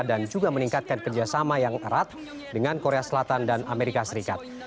dan juga meningkatkan kerjasama yang erat dengan korea selatan dan amerika serikat